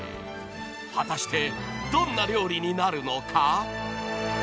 ［果たしてどんな料理になるのか？］